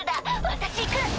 私行く。